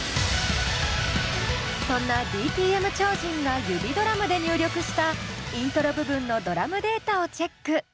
そんなＤＴＭ超人が指ドラムで入力したイントロ部分のドラムデータをチェック。